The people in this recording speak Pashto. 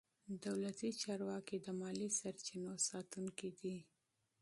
دولتي چارواکي د مالي سرچینو ساتونکي دي.